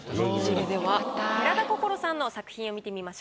それでは寺田心さんの作品を見てみましょう。